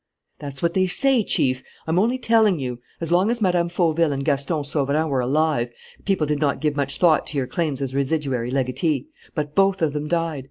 "That's what they say, Chief; I'm only telling you. As long as Mme. Fauville and Gaston Sauverand were alive, people did not give much thought to your claims as residuary legatee. But both of them died.